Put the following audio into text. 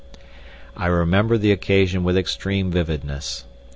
I remember the occasion with extreme vividness.